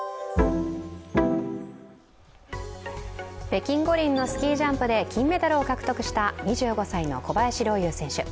北京五輪のスキージャンプで金メダルを獲得した２５歳の小林陵侑選手。